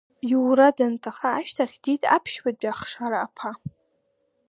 Иура данҭаха ашьҭахь диит аԥшьбатәи ахшара аԥа.